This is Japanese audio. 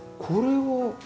これは？